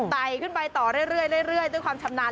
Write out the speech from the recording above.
ไตขึ้นไปต่อเรื่อยด้วยความชำนาญ